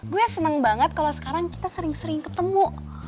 gue senang banget kalau sekarang kita sering sering ketemu